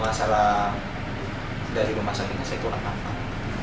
masalah dari rumah sakitnya saya kurang paham